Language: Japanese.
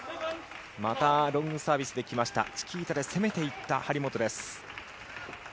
またロングサービスできました、チキータで攻めていった張本です。